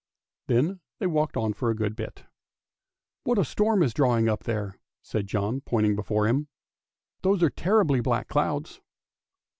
" Then they walked on for a good bit. " What a storm is drawing up there! " said John, pointing before him; " those are terribly black clouds."